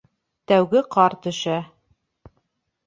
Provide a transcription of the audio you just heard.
Тәүге ҡар төшә.